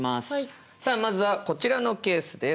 さあまずはこちらのケースです。